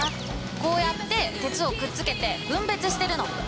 こうやって鉄をくっつけて分別してるの。